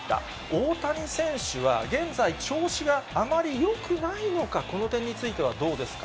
大谷選手は、現在、調子があまりよくないのか、この点についてはどうですか。